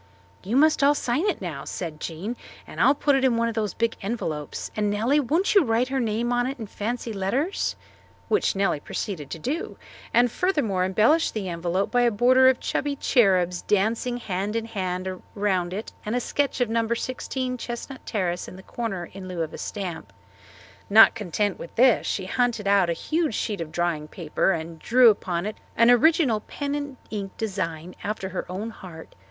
"You must all sign it now," said Jean, "and I'll put it in one of those big envelopes; and, Nellie, won't you write her name on it in fancy letters?" Which Nellie proceeded to do, and furthermore embellished the envelope by a border of chubby cherubs, dancing hand in hand around it and a sketch of No. 16 Chestnut Terrace in the corner in lieu of a stamp. Not content with this she hunted out a huge sheet of drawing paper and drew upon it an original pen and ink design after her own heart.